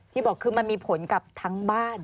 ที่บอกคือมันมีผลกับทั้งบ้าน